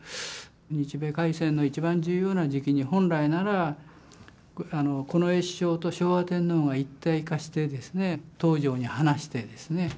日米開戦の一番重要な時期に本来なら近衛首相と昭和天皇が一体化してですね東條に話してですね